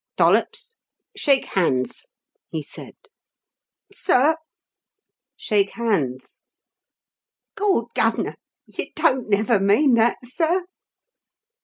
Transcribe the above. "Dollops, shake hands," he said. "Sir!" "Shake hands." "Gawd, Gov'nor! You don't never mean that, sir?"